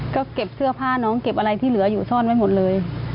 ก็เก็บเสื้อผ้าน้องเก็บอะไรที่เหลืออยู่ซ่อนไว้หมดเลย